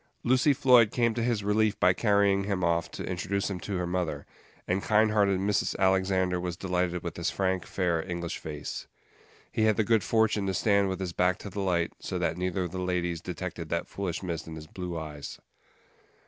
Lucy Floyd came to his relief by carrying him off to introduce him to her mother, and kind hearted Mrs. Alexander was delighted with his frank, fair English face. He had the good fortune to stand with his back to the light, so that neither of the ladies detected that foolish mist in his blue eyes.